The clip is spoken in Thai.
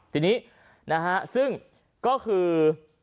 ทีนี้ซึ่งก็คือ